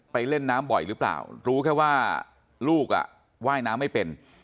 เล่นน้ำบ่อยหรือเปล่ารู้แค่ว่าลูกว่ายน้ำไม่เป็น